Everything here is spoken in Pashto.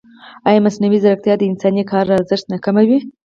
ایا مصنوعي ځیرکتیا د انساني کار ارزښت نه کموي؟